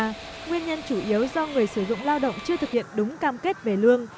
nguyên nhân chủ yếu do người sử dụng lao động chưa thực hiện đúng cam kết về lương